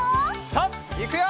さあいくよ！